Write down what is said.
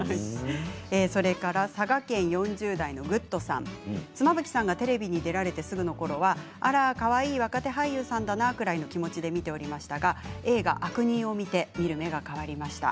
それから佐賀県４０代の方妻夫木さんがテレビに出られてすぐのころはあら、かわいい若手俳優さんだなくらいの気持ちで見ていましたが映画「悪人」を見て見る目が変わりました。